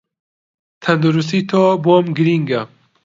تەندروستی تۆ بۆم گرینگە